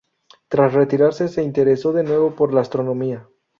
Tras retirarse, se interesó de nuevo por la astronomía.